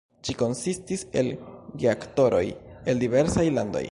Ĝi konsistis el geaktoroj el diversaj landoj.